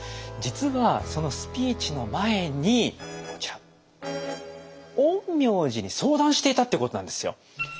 実はそのスピーチの前にこちら陰陽師に相談していたってことなんですよ。